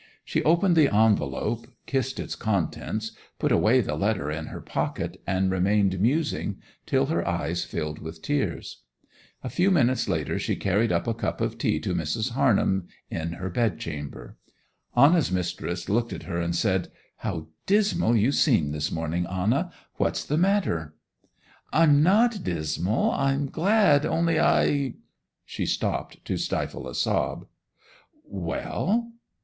She opened the envelope, kissed its contents, put away the letter in her pocket, and remained musing till her eyes filled with tears. A few minutes later she carried up a cup of tea to Mrs. Harnham in her bed chamber. Anna's mistress looked at her, and said: 'How dismal you seem this morning, Anna. What's the matter?' 'I'm not dismal, I'm glad; only I—' She stopped to stifle a sob. 'Well?